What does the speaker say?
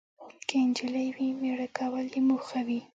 که انجلۍ وي، میړه کول یې موخه وي.